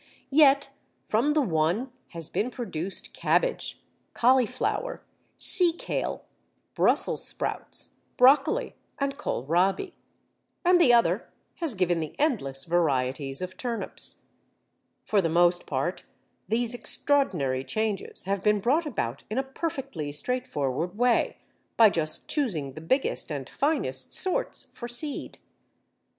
Yet from the one has been produced cabbage, cauliflower, seakale, brussels sprouts, broccoli, and kohlrabi; and the other has given the endless varieties of turnips. For the most part these extraordinary changes have been brought about in a perfectly straightforward way, by just choosing the biggest and finest sorts for seed.